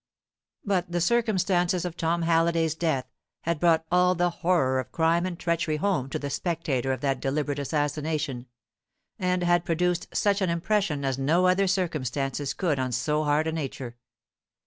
But the circumstances of Tom Halliday's death had brought all the horror of crime and treachery home to the spectator of that deliberate assassination, and had produced such an impression as no other circumstances could on so hard a nature.